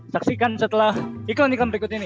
saksikan setelah iklan iklan berikut ini